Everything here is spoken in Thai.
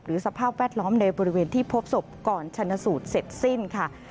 สภาพแวดล้อมในบริเวณที่พบศพก่อนชนสูตรเสร็จสิ้นค่ะ